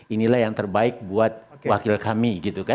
inilah yang terbaik buat wakil kami